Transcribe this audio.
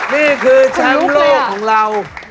นี่คือแชมป์โลกของเรา